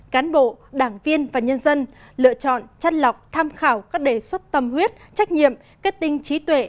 cán bộ đảng viên và nhân dân lựa chọn chất lọc tham khảo các đề xuất tâm huyết trách nhiệm kết tinh trí tuệ